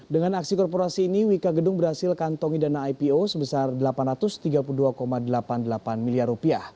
dengan aksi korporasi ini wika gedung berhasil kantongi dana ipo sebesar rp delapan ratus tiga puluh dua delapan puluh delapan miliar